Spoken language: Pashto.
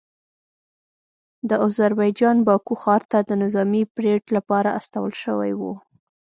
د اذربایجان باکو ښار ته د نظامي پریډ لپاره استول شوي وو